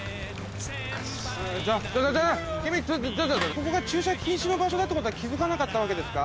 ここが駐車禁止の場所だってこと気付かなかったわけですか？